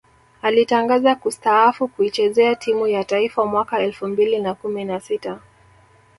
Alitangaza kustaafu kuichezea timu ya taifa mwaka elfu mbili na kumi na sita